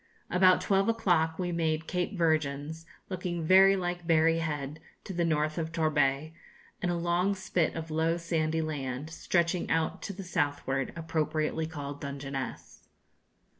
About twelve o'clock we made Cape Virgins, looking very like Berry Head to the north of Torbay, and a long spit of low sandy land, stretching out to the southward, appropriately called Dungeness.